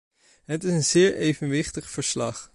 Het is een zeer evenwichtig verslag.